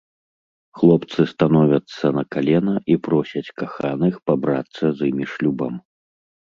Хлопцы становяцца на калена і просяць каханых пабрацца з імі шлюбам!